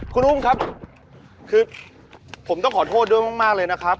คุณอุ้มครับคือผมต้องขอโทษด้วยมากเลยนะครับ